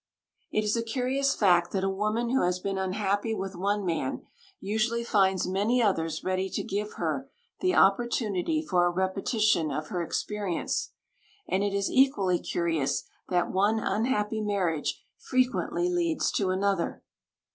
It is a curious fact that a woman who has been unhappy with one man usually finds many others ready to give her the opportunity for a repetition of her experience. And it is equally curious that one unhappy marriage frequently leads to another.